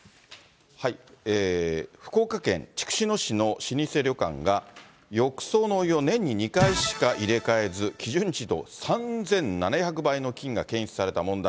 福岡県筑紫野市の老舗旅館が、浴槽のお湯を年に２回しか入れ替えず、基準値の３７００倍の菌が検出された問題。